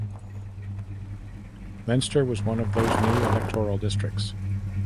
Leinster was one of those new electoral districts.